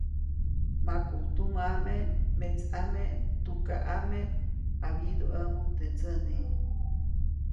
Makuʼuŋ tumʼame, metsʼame, tukaʼame, jawyiduʼämuŋ teʼ ndsäni.